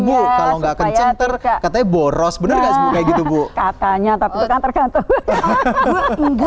bu kalau nggak kenceng terkatanya boros bener bener gitu bu katanya tapi tergantung